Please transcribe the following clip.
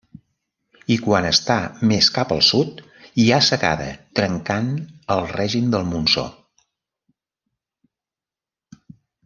I quan està més cap al sud hi ha secada trencant el règim del monsó.